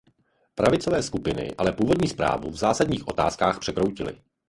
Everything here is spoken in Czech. Pravicové skupiny ale původní zprávu v zásadních otázkách překroutily.